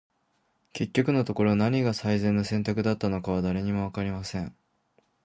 •結局のところ、何が最善の選択だったのかは、誰にも分かりません。